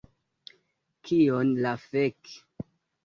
Kion la fek...